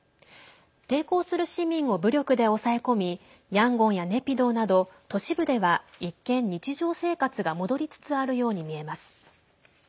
抵抗する市民を武力で抑え込みヤンゴンやネピドーなど都市部では一見、日常生活が戻りつつあるように見えます。